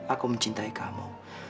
aku mencintai kamu